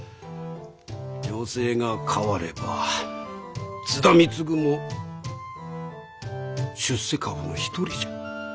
情勢が変われば津田貢も出世株の一人じゃ。